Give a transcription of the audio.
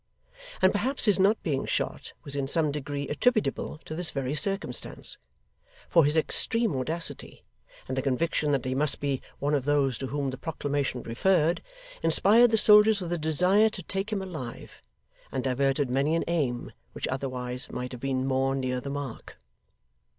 And perhaps his not being shot was in some degree attributable to this very circumstance; for his extreme audacity, and the conviction that he must be one of those to whom the proclamation referred, inspired the soldiers with a desire to take him alive, and diverted many an aim which otherwise might have been more near the mark.